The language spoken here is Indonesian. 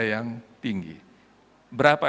yang tinggi berapa